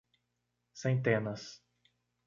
Centenas.